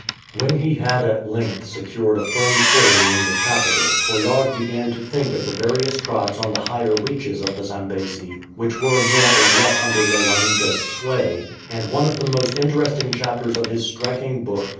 When he had at length secured a firm footing in the capital, Coillard began to think of the various tribes on the higher reaches of the Zambesi, which were more or less under Lewanika's sway, and one of the most interesting chapters of his striking book.